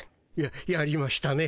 ややりましたね